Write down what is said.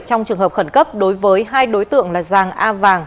trong trường hợp khẩn cấp đối với hai đối tượng là giàng a vàng